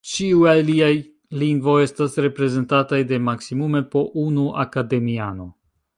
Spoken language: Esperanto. Ĉiuj aliaj lingvoj estas reprezentataj de maksimume po unu akademiano.